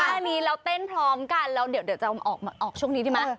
ท่านี้เราเต้นพร้อมกันเราเดี๋ยวจะเอาออกช่วงนี้ดิมา